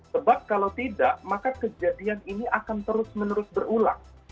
sebab kalau tidak maka kejadian ini akan terus menerus berulang